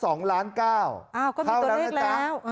ก็มีตัวเลขล็ะ